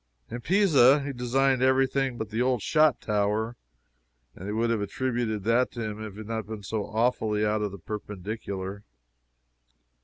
In Pisa he designed every thing but the old shot tower, and they would have attributed that to him if it had not been so awfully out of the perpendicular.